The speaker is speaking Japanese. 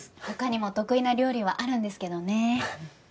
他にも得意な料理はあるんですけどね。